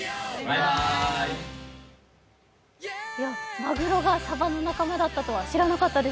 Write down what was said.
まぐろがさばの仲間だったとは知らなかったです。